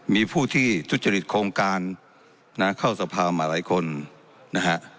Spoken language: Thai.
มีผู้ที่ทุจริตโครงการนะเข้าสภามาหลายคนนะฮะ